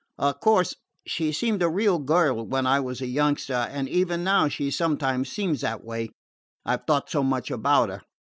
"Of course she seemed a real girl when I was a youngster, and even now she sometimes seems that way, I 've thought so much about her.